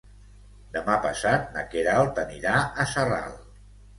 Demà passat na Queralt anirà a Sarral.